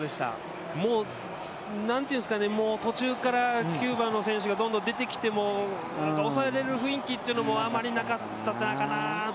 もう途中からキューバの選手がどんどん出てきても抑えられる雰囲気というのもあまりなかったかなと。